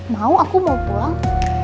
mau aku mau pulang